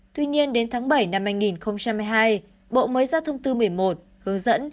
tuy nhiên đến tháng bảy năm hai nghìn hai mươi hai bộ mới ra thông tư một mươi một hướng dẫn